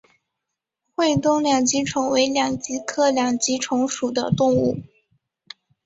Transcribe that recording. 会东两极虫为两极科两极虫属的动物。